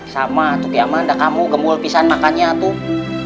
sama tuh kiamanda kamu gemul pisan makannya tuh